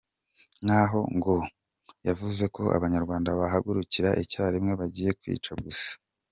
Nk’aho ngo yavuze ko abanyarwanda bahagurukira icyarimwe bagiye kwica gusa.